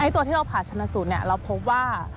ตัวที่เราผ่าชนะสูตรเราพบว่า